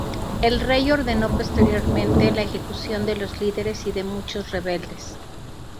El rey ordenó posteriormente la ejecución de los líderes y de muchos rebeldes.